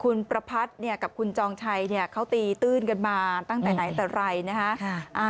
คุณประพัทธ์กับคุณจองชัยเขาตีตื้นกันมาตั้งแต่ไหนแต่ไรนะฮะ